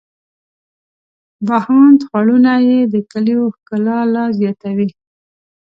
بهاند خوړونه یې د کلیو ښکلا لا زیاتوي.